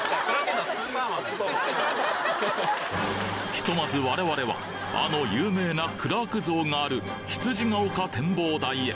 ひとまず我々はあの有名なクラーク像がある羊ケ丘展望台へ。